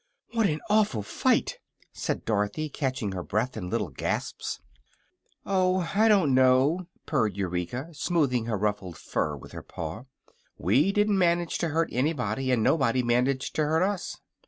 "What an awful fight!" said Dorothy, catching her breath in little gasps. "Oh, I don't know," purred Eureka, smoothing her ruffled fur with her paw; "we didn't manage to hurt anybody, and nobody managed to hurt us."